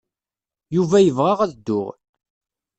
Yuba yebɣa ad dduɣ.